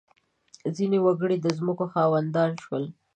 • ځینې وګړي د ځمکو خاوندان شول.